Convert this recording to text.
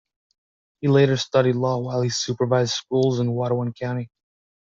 He later studied law while he supervised schools in Watonwan County.